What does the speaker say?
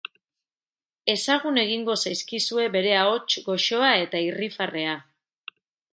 Ezagun egingo zaizkizue bere ahots goxoa eta irrifarrea.